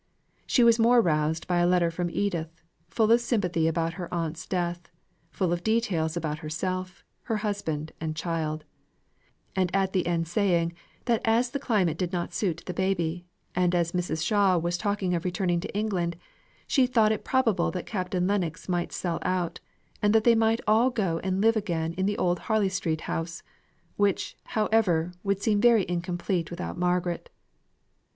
She was more roused by a letter from Edith, full of sympathy about her aunt's death; full of details about herself, her husband, and child; and at the end saying, that as the climate did not suit the baby, and as Mrs. Shaw was talking of returning to England, she thought it probable that Captain Lennox might sell out, and that they might all go and live again in the old Harley Street house; which, however, would seem very incomplete without Margaret.